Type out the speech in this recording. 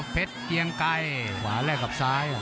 เกียงไกรขวาแลกกับซ้าย